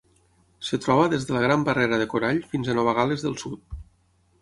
Es troba des de la Gran Barrera de Corall fins a Nova Gal·les del Sud.